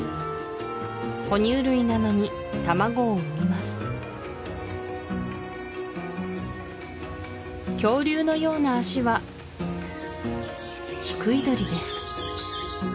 哺乳類なのに卵を産みます恐竜のような足はヒクイドリです